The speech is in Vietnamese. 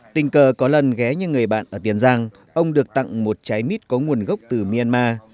tình cờ có lần ghé như người bạn ở tiền giang ông được tặng một trái mít có nguồn gốc từ myanmar